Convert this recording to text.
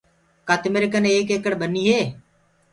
ڪآ تمرآ ڪني ايڪ ايڪڙ ٻني هي؟